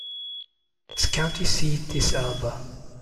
Its county seat is Elba.